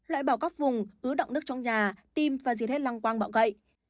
loại bảo góc vùng ứ động nước trong nhà tim và diệt hết lăng quang bạo gậy